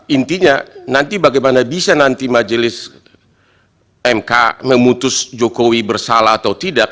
intinya nanti bagaimana bisa nanti majelis mk memutus jokowi bersalah atau tidak